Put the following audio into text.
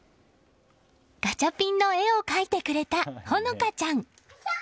ガチャピンの絵を描いてくれた穂香ちゃん。